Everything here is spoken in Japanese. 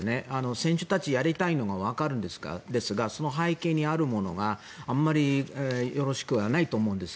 選手たちやりたいのはわかるんですがその背景にあるものがあまりよろしくないと思うんです。